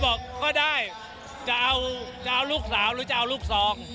บอกก็ได้จะเอาจะเอาลูกสาวหรือจะเอาลูกสอง